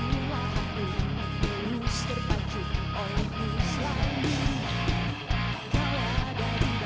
saya butuh teriakan hey yang keras